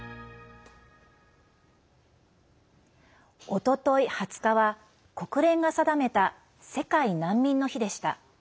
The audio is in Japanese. おととい２０日は国連が定めた世界難民の日でした。